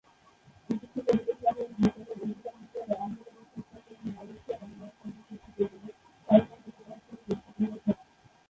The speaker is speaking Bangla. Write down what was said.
বিশিষ্ট পরিবেশবাদী ও ভোক্তাদের অধিকার বিষয়ে আন্দোলনে সোচ্চার কর্মী মালয়েশিয়ার আনোয়ার ফজল কর্তৃক এ দিবস পালনের রূপকার হিসেবে পরিচিতি হয়েছেন।